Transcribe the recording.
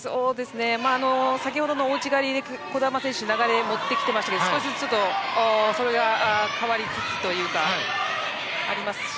先程の大内刈りで児玉選手は流れを持ってきていましたが少しずつそれが変わりつつというのがありますし。